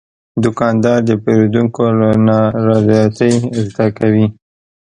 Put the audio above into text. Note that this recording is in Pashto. دوکاندار د پیرودونکو له نارضایتۍ زده کوي.